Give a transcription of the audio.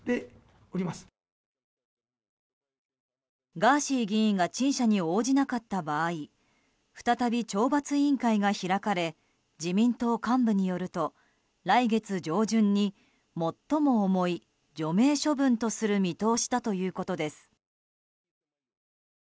ガーシー議員が陳謝に応じなかった場合再び懲罰委員会が開かれ自民党幹部によると来月上旬に最も重い除名処分とする見通しだということです。